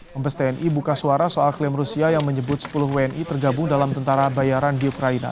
mabes tni buka suara soal klaim rusia yang menyebut sepuluh wni tergabung dalam tentara bayaran di ukraina